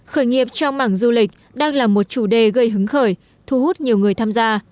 khởi nghiệp trong mảng du lịch đang là một chủ đề gây hứng khởi thu hút nhiều người tham gia